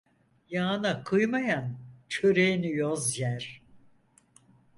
Yağına kıymayan çöreğini yoz yer.